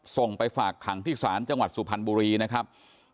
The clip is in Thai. ส่งไปฝากขังที่ศาลจังหวัดสุพรรณบุรีนะครับ